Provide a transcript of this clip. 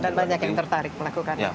dan banyak yang tertarik melakukan pendidikan